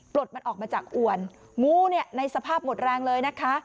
ลดมันออกมาจากอวนงูเนี่ยในสภาพหมดแรงเลยนะคะ